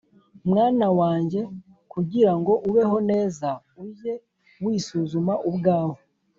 Mwana wanjye, kugira ngo ubeho neza, ujye wisuzuma ubwawe,